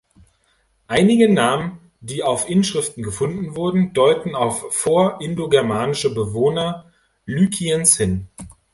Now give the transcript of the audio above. Einige Namen, die auf Inschriften gefunden wurden, deuten auf vor-indogermanische Bewohner Lykiens hin.